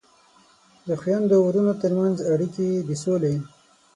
د خویندو ورونو ترمنځ اړیکې د سولې